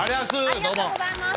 ありがとうございます。